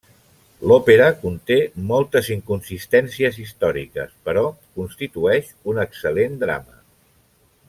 L'òpera conté moltes inconsistències històriques però constitueix un excel·lent drama.